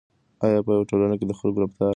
آیا په یوه ټولنه کې د خلکو رفتار سره ورته وي؟